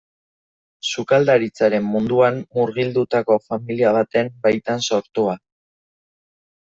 Sukaldaritzaren munduan murgildutako familia baten baitan sortua.